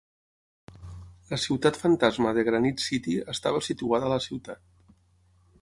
La ciutat fantasma de Granit City estava situada a la ciutat.